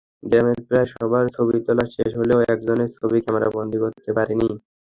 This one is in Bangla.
গ্রামের প্রায় সবার ছবি তোলা শেষ হলেও একজনের ছবি ক্যামেরাবন্দী করতে পারেনি।